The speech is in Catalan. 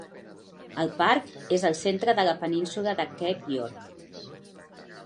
El parc és al centre de la península de Cape York.